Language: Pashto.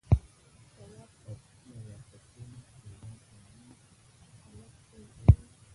تواب پر پوله ورته کېناست، د ځان په منګ هلک ته يې وويل: